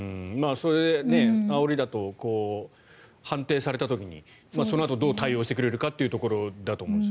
それであおりだと判定された時にそのあと、どう対応してくれるかというところだと思うんです。